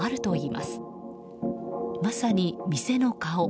まさに店の顔。